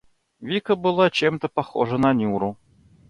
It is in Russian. Вика была чем-то похожа на Нюру.